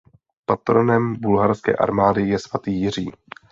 Patronem Bulharské armády je svatý Jiří.